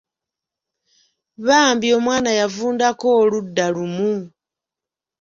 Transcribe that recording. Bambi omwana yavundako oludda lumu.